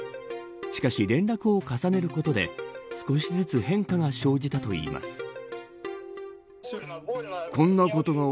しかし連絡を重ねることで少しずつ変化が生じたといいます。